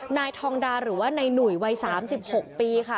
นายทองดาหรือว่านายหนุ่ยวัย๓๖ปีค่ะ